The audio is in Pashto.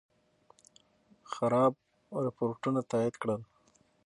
خراب رپوټونه تایید کړل.